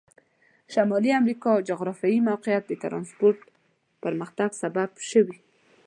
شمالي امریکا جغرافیایي موقعیت د ترانسپورت پرمختګ سبب شوي.